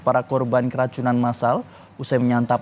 penual muntah sama bab